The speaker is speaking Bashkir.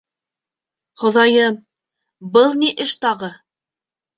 — Хоҙайым, был ни эш тағы?